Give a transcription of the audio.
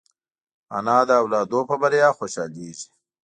انا د اولادونو په بریا خوشحالېږي